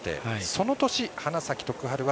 その年、花咲徳栄は